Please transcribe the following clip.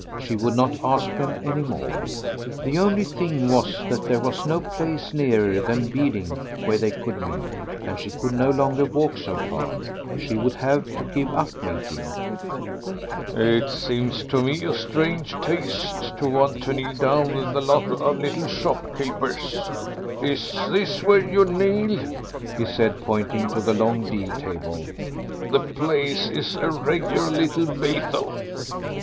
She would not ask them any more. The only thing was that there was no place nearer than Beeding where they could meet, and she could no longer walk so far. She would have to give up meeting. "It seems to me a strange taste to want to kneel down with a lot of little shop keepers.... Is this where you kneel?" he said, pointing to the long deal table. "The place is a regular little Bethel."